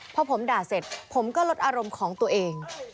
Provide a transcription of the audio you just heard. พอผมด่าเสร็จผมก็ลดอารมณ์ของตัวเอง